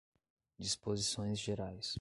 Disposições Gerais